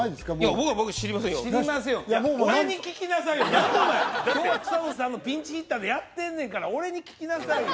俺に聞きなさいよ今日は草野さんのピンチヒッターでやってんねんから俺に聞きなさいよ